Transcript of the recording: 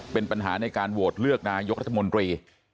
เป็นปัญหาในการโหวตเลือกนายกรัฐมนตรี